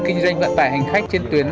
kinh doanh vận tải hành khách trên tuyến